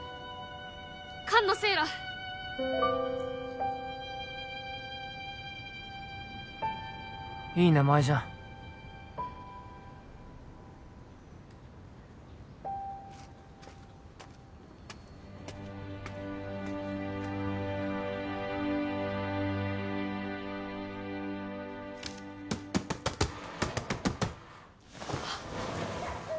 菅野セイラいい名前じゃんはっ！